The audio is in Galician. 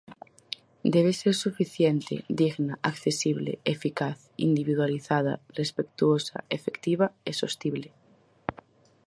Debe ser suficiente, digna, accesible, eficaz, individualizada, respectuosa, efectiva e sostible.